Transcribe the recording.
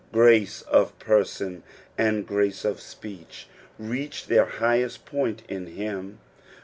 Grace of person and grace of speech reach their highest point in him.